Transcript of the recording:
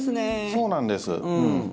そうなんです。